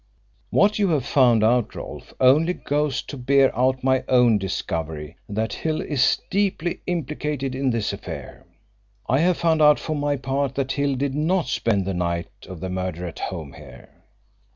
"What you have found out, Rolfe, only goes to bear out my own discovery that Hill is deeply implicated in this affair. I have found out, for my part, that Hill did not spend the night of the murder at home here."